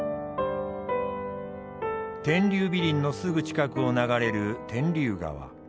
天竜美林のすぐ近くを流れる天竜川。